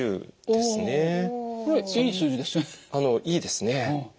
いいですね。